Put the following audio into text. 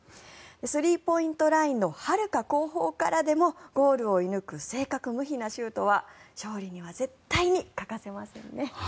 スリーポイントラインのはるか後方からでもゴールを射抜く正確無比なシュートは勝利には絶対に欠かせませんね。